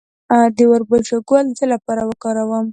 د وربشو ګل د څه لپاره وکاروم؟